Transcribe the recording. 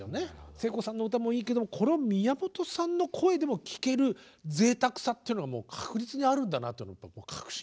聖子さんの歌もいいけどこれを宮本さんの声でも聴けるぜいたくさっていうのはもう確実にあるんだなというのをやっぱり確信いたしました。